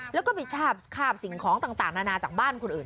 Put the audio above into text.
แล้วก็ไปชาบคาบสิ่งของต่างนานาจากบ้านคนอื่น